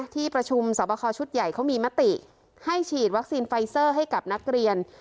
ที่ประชุมสอบคอชุดใหญ่เขามีมติให้ฉีดวัคซีนไฟเซอร์ให้กับนักเรียน